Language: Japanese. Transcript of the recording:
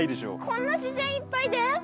こんな自然いっぱいで？